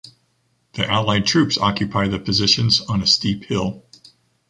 The Allied troops occupy the positions on a steep hill.